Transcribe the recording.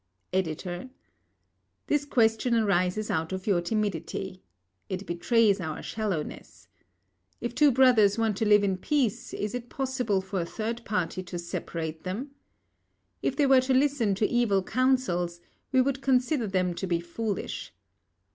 EDITOR: This question arises out of your timidity. It betrays our shallowness. If two brothers want to live in peace is it possible for a third party to separate them? If they were to listen to evil counsels, we would consider them to be foolish.